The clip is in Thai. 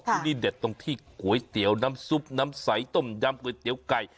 ที่นี่เด็ดตรงที่ก๋วยเตี๋ยวน้ำซุปน้ำใสต้มยำก๋วยเตี๋ยวไก่